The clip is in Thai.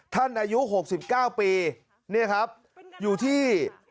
ท่านอายุ๖๙ปี